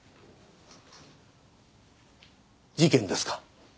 事件ですか？